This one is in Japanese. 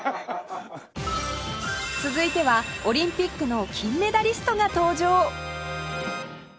続いてはオリンピックの金メダリストが登場